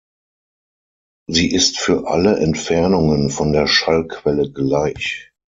Sie ist für alle Entfernungen von der Schallquelle gleich.